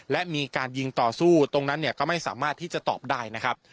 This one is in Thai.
และมีการยิงต่อสู้ตรงนั้นเนี่ยก็ไม่สามารถที่จะตอบได้นะครับ